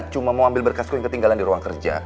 cuma mau ambil berkasku yang ketinggalan di ruang kerja